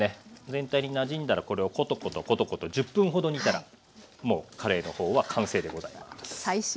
全体になじんだらこれをコトコトコトコト１０分ほど煮たらもうカレーのほうは完成でございます。